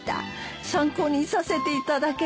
参考にさせていただける？